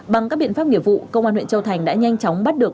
bằng các biện pháp nghiệp vụ công an huyện châu thành đã nhanh chóng bắt được